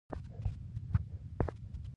او جواهر لال سره دېره شو